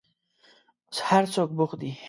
اوس هر څوک بوخت دي.